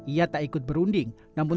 ia tak ikut berunding